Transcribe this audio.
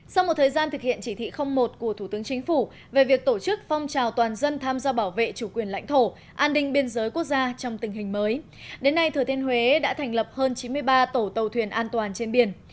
sau một thời gian thực hiện chỉ thị một của thủ tướng chính phủ về việc tổ chức phong trào toàn dân tham gia bảo vệ chủ quyền lãnh thổ an ninh biên giới quốc gia trong tình hình mới đến nay thừa thiên huế đã thành lập hơn chín mươi ba tổ tàu thuyền an toàn trên biển